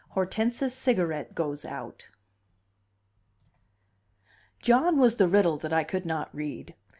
XXI: Hortense's Cigarette Goes Out John was the riddle that I could not read.